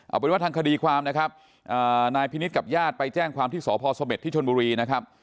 เอาเป็นว่าทางคดีความนะครับนายพินิษฐ์กับญาติไปแจ้งความที่สพสเม็ดที่ชนบุรีนะครับ